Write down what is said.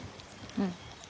うん。